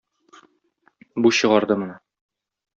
Бу чыгарды моны.